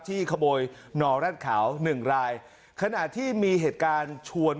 ที่คะโบยนรลรัดเขาหนึ่งลายขณะที่มีเหตุการณ์ชวน